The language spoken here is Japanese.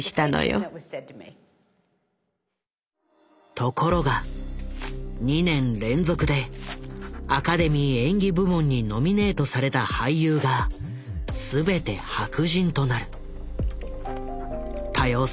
ところが２年連続でアカデミー演技部門にノミネートされた俳優が全て白人となる。